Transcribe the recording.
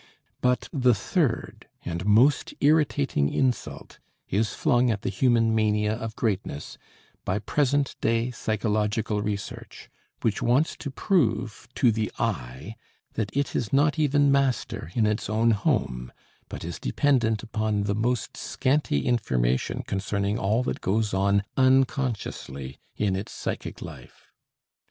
But the third and most irritating insult is flung at the human mania of greatness by present day psychological research, which wants to prove to the "I" that it is not even master in its own home, but is dependent upon the most scanty information concerning all that goes on unconsciously in its psychic life.